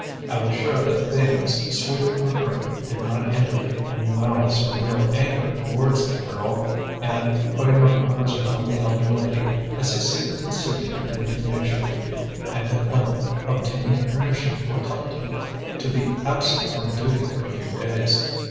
I was sure that Thieng's sweeping reproof did not indicate any malice or real anger towards the girl, and, putting my arms around the elder lady, I succeeded in soothing her indignation, and at length obtained permission for Tuptim to be absent from duty for a few days.